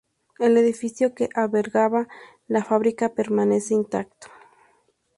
El edificio que albergaba la fábrica permanece intacto.